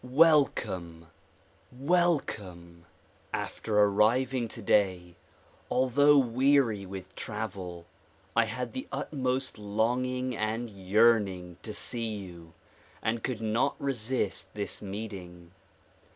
Welcome! Weleoiue! After arriving today, although weary with travel, I had the utmost longing and yearning to see you and eould not resist this meeting.